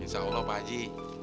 insya allah pak haji